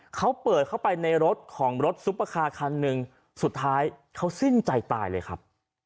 เขาเปิดเข้าไปในรถของรถซุปเปอร์คาร์คันหนึ่งสุดท้ายเขาสิ้นใจตายเลยครับ